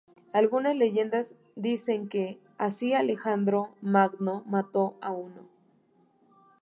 Algunas leyendas dicen que, así, Alejandro Magno mató a uno.